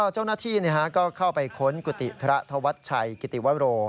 เจ้าหน้าที่ก็เข้าไปค้นกุฏิพระธวัชชัยกิติวโร